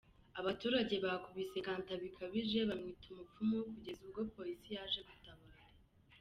Abaturage bakubise Kanta bikabije bamwita”umupfumu”kugeza ubwo polisi yaje gutabara.